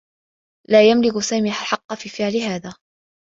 لا يملك سامي الحقّ في فعل هذا.